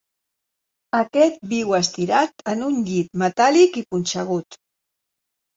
Aquest viu estirat en un llit metàl·lic i punxegut.